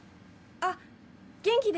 あっ元気です！